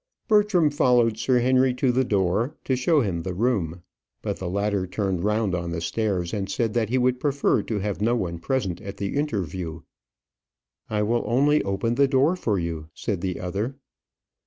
Bertram followed Sir Henry to the door, to show him the room; but the latter turned round on the stairs, and said that he would prefer to have no one present at the interview. "I will only open the door for you," said the other.